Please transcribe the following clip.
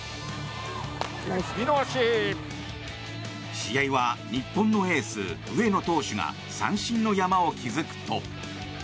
試合は日本のエース、上野投手が三振の山を築くと。